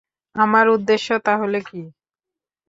আমার উদ্দেশ্য তাহলে কি?